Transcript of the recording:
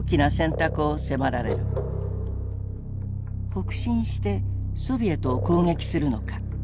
北進してソビエトを攻撃するのか。